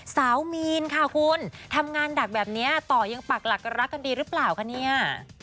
สาวมีนค่ะคุณทำงานหนักแบบนี้ต่อยังปากหลักรักกันดีหรือเปล่าคะเนี่ย